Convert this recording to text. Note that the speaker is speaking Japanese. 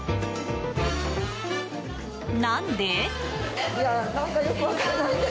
何で？